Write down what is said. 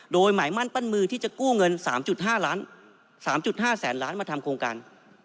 โดยหมายมั่นปั้นมือที่จะกู้เงิน๓๕แสนล้านมาทำโครงการ